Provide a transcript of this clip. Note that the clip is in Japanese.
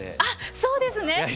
あっそうですね！